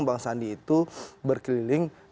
bang sandi itu berkeliling